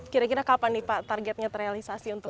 kira kira kapan nih pak targetnya terrealisasi untuk